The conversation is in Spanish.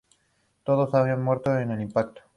Todos habían muerto en el impacto.